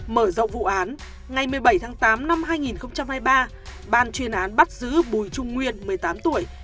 mở rộng vụ án ngày một mươi bảy tháng tám năm hai nghìn hai mươi ba ban chuyên án bắt giữ bùi trung nguyên một mươi tám tuổi